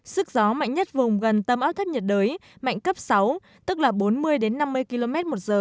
sức gió mạnh nhất vùng gần tâm áp thấp nhiệt đới mạnh cấp sáu tức là bốn mươi năm mươi km một giờ